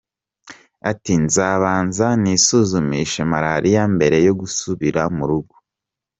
Ati “nzabanza nisuzumishe Malariya mbere yo gusubira mu rugo.